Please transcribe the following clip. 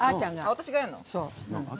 私がやんの？